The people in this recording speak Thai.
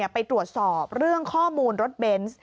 ไปตรวจสอบเรื่องข้อมูลรถเบนส์